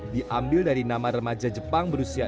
diambil dari nama remaja jepang berusia